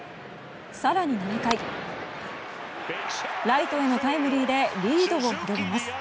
更に、７回ライトへのタイムリーでリードを広げます。